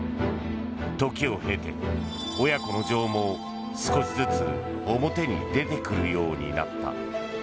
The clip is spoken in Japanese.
時を経て、親子の情も少しずつ表に出てくるようになった。